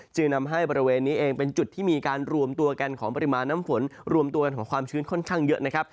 จึงทำให้บริเวณนี้เองเป็นจุดที่มีการรวมตัวกันของปริมาณน้ำฝนรวมตัวกันของความชื้นค่อนข้างเยอะนะครับ